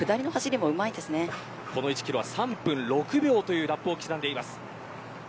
もうまこの１キロは３分６秒というラップを刻んでいます。